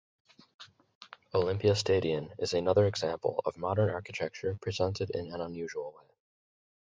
Olympiastadion is another example of modern architecture presented in an unusual way.